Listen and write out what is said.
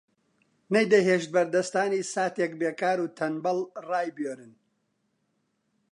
نەیدەهێشت بەردەستانی ساتێک بێکار و تەنبەڵ ڕایبوێرن